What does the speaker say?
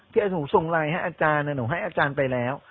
ที่อาจารย์ถูกส่งไลน์ให้อาจารย์น่ะหนูให้อาจารย์ไปแล้ว